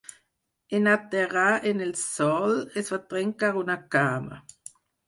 En aterrar en el sòl, es va trencar una cama.